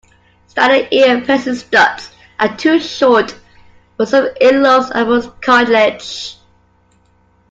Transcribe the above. Standard ear piercing studs are too short for some earlobes and most cartilage.